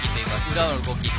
裏の動き。